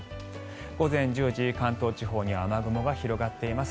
午前１０時、関東地方に雨雲が広がっています。